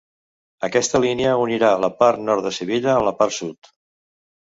Aquesta línia unirà la part nord de Sevilla amb la part sud.